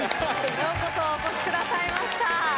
ようこそお越しくださいました。